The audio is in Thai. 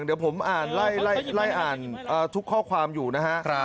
เดี๋ยวผมอ่านไล่อ่านทุกข้อความอยู่นะฮะ